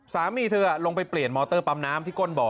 สามีเธอลงไปเปลี่ยนมอเตอร์ปั๊มน้ำที่ก้นบ่อ